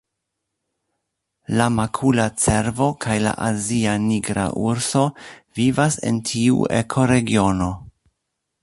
La makula cervo kaj la azia nigra urso vivas en tiu ekoregiono.